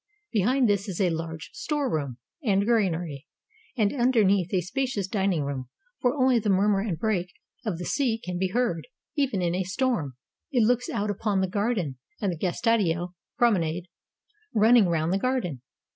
Behind this is a large storeroom and granary, and underneath, a spacious dining room, where only the murmur and break 486 COUNTRY HOUSE OF PLINY THE YOUNGER of the sea can be heard, even in a storm: it looks out upon the garden, and the gestatio [promenade] running round the garden.